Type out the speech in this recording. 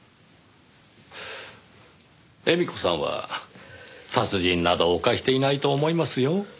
絵美子さんは殺人など犯していないと思いますよ。